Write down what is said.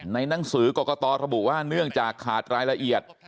หนังสือกรกตระบุว่าเนื่องจากขาดรายละเอียด